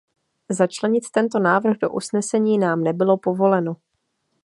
Začlenit tento návrh do usnesení nám nebylo povoleno.